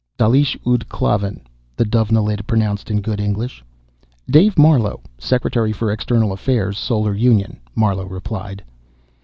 "Dalish ud Klavan," the Dovenilid pronounced, in good English. "David Marlowe, Secretary for External Affairs, Solar Union," Marlowe replied.